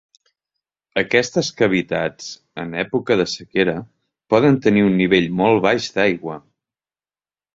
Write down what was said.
Aquestes cavitats, en època de sequera, poden tenir un nivell molt baix d'aigua.